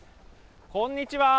こんにちは。